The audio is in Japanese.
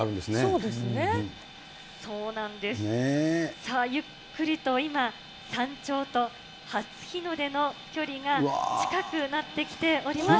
さあ、ゆっくりと今、山頂と初日の出の距離が近くなってきております。